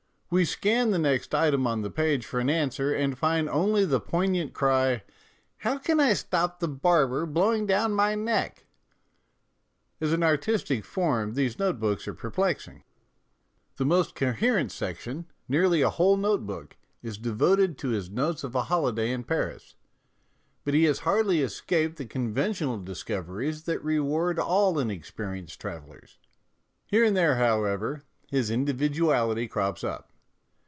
We scan the next item on the page for an answer, and find only the poignant cry, " How can I stop the barber blowing down my neck?" As an artistic form these note books are perplexing. The most coherent section, nearly a whole note book, is devoted to his notes of a holiday in Paris ; but he has hardly escaped the 284 MONOLOGUES conventional discoveries that reward all in experienced travellers. Here and there, how ever, his individuality crops up.